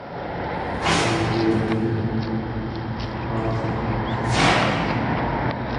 This is particularly important with wind and solar, which are non-dispatchable.